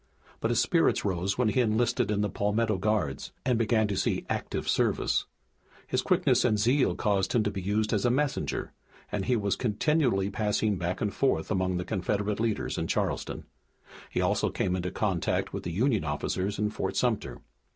But his spirits rose when he enlisted in the Palmetto Guards, and began to see active service. His quickness and zeal caused him to be used as a messenger, and he was continually passing back and forth among the Confederate leaders in Charleston. He also came into contact with the Union officers in Fort Sumter.